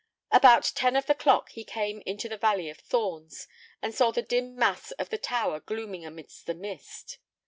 About ten of the clock he came into the valley of thorns, and saw the dim mass of the tower glooming amid the mist.